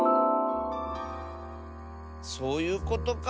そういうことか。